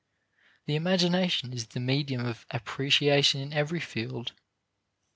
The imagination is the medium of appreciation in every field.